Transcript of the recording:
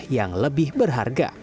sampah yang lebih berharga